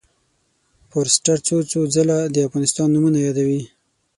فورسټر څو څو ځله د افغانستان نومونه یادوي.